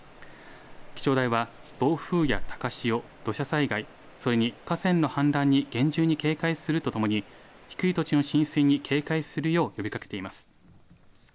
気象台は、暴風や高潮、土砂災害、それに河川の氾濫に厳重に警戒するとともに、低い土地の浸水に警戒するよう呼びかけています。